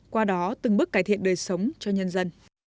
qua đó từng bước cải thiện đời sống cho nhân dân